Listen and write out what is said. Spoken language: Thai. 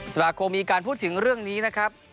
สมาคมมีการพูดถึงเรื่องนี้นะครับ